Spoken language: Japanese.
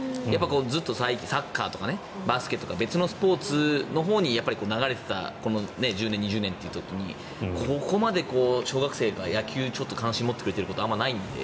ずっとサッカーとかバスケとか別のスポーツのほうに流れていたこの１０年、２０年という時にここまで小学生が野球に関心を持ってくれることはあまりないので。